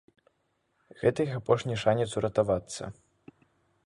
Гэта іх апошні шанец уратавацца.